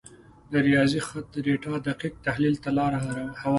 د ریاضي خط د ډیټا دقیق تحلیل ته لار هواره کړه.